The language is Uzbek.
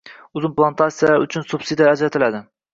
Uzum plantatsiyalari uchun subsidiyalar ajratiladi